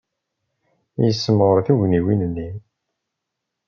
Yessemɣer tugniwin-nni.